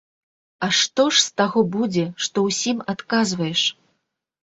А што ж з таго будзе, што ўсім адказваеш?